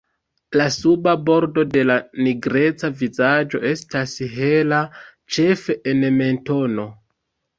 La suba bordo de la nigreca vizaĝo estas hela ĉefe en mentono.